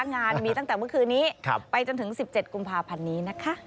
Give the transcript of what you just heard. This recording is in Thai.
งานมีตั้งแต่เมื่อคืนนี้ไปจนถึง๑๗กุมภาพันธ์นี้นะคะ